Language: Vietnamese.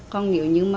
còn nhiều như mà